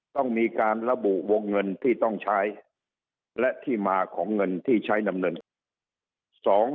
ต้องมีการระบุวงเงินที่ต้องใช้และที่มาของเงินที่ใช้ดำเนิน